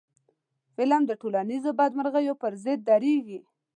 فلم د ټولنیزو بدمرغیو پر ضد درېږي